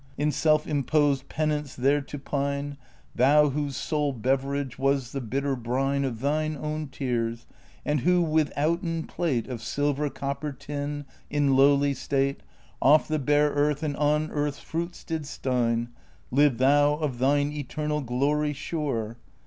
In self imposed penance there to pine ; Thou, whose sole beverage was the bitter brine Of thine own tears, and who withouten plate Of silver, copper, tin, in lowly state Off the bare earth and on earth's fruits didst dine ; Live thou, of thine eternal glory sure.